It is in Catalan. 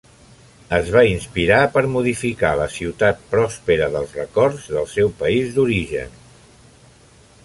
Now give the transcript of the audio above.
Es va inspirar per modificar la ciutat pròspera dels records del seu país d'origen: